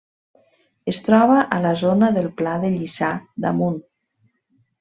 Es troba a la zona del Pla de Lliçà d'Amunt.